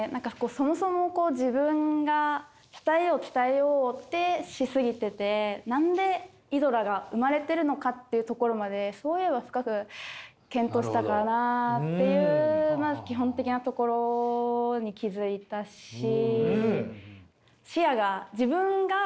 そもそも自分が伝えよう伝えようってし過ぎてて何でイドラが生まれてるのかっていうところまでそういえば深く検討したかなあ？っていうまず基本的なところに気付いたし。